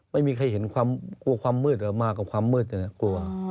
ไม่มีใครเห็นความมืดมากกว่าความมืดนี่กลัว